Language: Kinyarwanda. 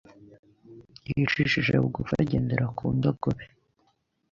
yicishije bugufi agendera ku ndogobe,